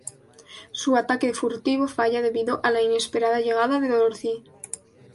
Su ataque furtivo falla debido a la inesperada llegada de Dorothy.